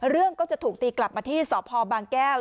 เรื่องก็จะถูกตีกลับมาที่สพบางแก้ว